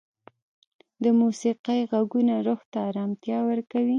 د موسیقۍ ږغونه روح ته ارامتیا ورکوي.